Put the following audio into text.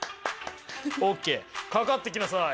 オッケーかかってきなさい！